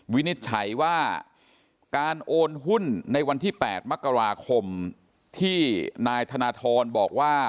วินิจฉัยว่าการโอนหุ้นในวันที่๘มกราคมที่นายธนทรบอกว่า